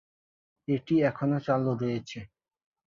এটি এখনও চালু রয়েছে।